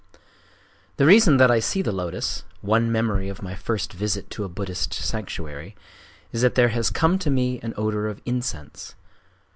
The reason that I see the lotos—one memory of my first visit to a Buddhist sanctuary—is that there has come to me an odor of incense.